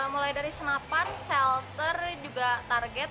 mulai dari senapan shelter juga target